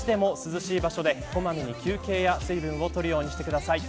少しでも涼しい場所で、小まめに休憩や水分を取るようにしてください。